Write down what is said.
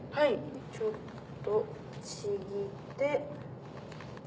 ちょっとちぎって。